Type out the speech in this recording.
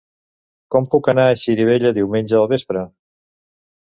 Com puc anar a Xirivella diumenge al vespre?